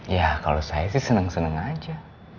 ya kalo saya sih seneng seneng aja